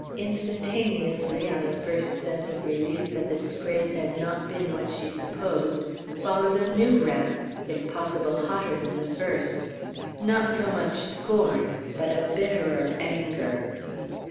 Instantaneously, on the first sense of relief that the disgrace had not been what she supposed, followed a new wrath, if possible hotter than the first; not so much scorn, but a bitterer anger.